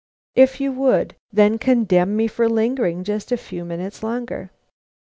If you would, then condemn me for lingering just a few minutes longer.